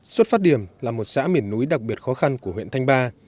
xuất phát điểm là một xã miền núi đặc biệt khó khăn của huyện thanh ba